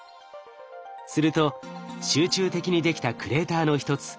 すると集中的にできたクレーターの一つ